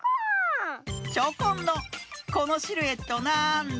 チョコンの「このシルエットなんだ？」